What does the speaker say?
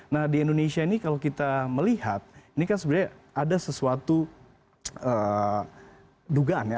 nah di indonesia ini kalau kita melihat ini kan sebenarnya ada sesuatu dugaan ya